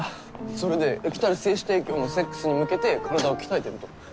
それで来る精子提供のセックスに向けて体を鍛えてると。